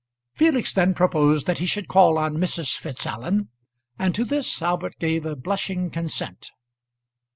Felix then proposed that he should call on Mrs. Fitzallen, and to this Albert gave a blushing consent.